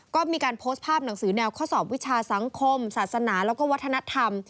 ก็มีการโพสต์ภาพหนังสือแนวข้อสอบวิชาสังคมศาสนาแล้วก็วัฒนธรรม